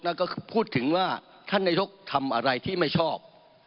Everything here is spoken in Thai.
แล้วก็พูดถึงว่าท่านนายกทำอะไรที่ไม่ชอบ